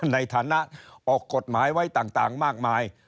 ในฐานะออกกฎหมายไว้ต่างมากมาย